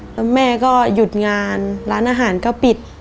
แล้วแม่ก็หยุดงานร้านอาหารก็ปิด